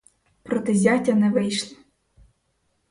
Проти зятя не вийшла.